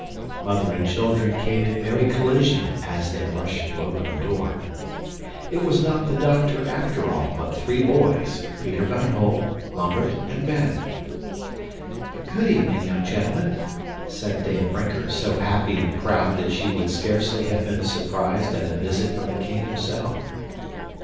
Mother and children came in merry collision as they rushed to open the door. It was not the doctor, after all, but three boys, Peter van Holp, Lambert, and Ben. "Good evening, young gentlemen," said Dame Brinker, so happy and proud that she would scarcely have been surprised at a visit from the king himself.